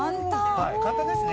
はい簡単ですね。